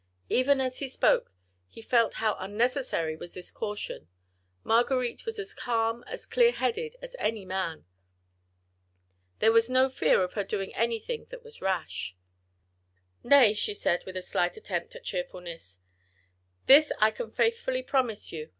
Even as he spoke, he felt how unnecessary was this caution: Marguerite was as calm, as clear headed as any man. There was no fear of her doing anything that was rash. "Nay," she said with a slight attempt at cheerfulness, "that can I faithfully promise you.